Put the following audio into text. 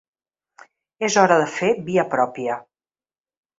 És hora de fer via pròpia.